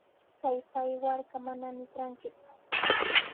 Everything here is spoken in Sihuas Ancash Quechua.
Kaypa aywarqa manami trankiku.